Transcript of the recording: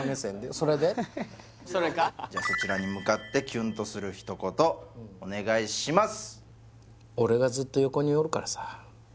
それで？じゃそちらに向かってキュンとするひと言お願いします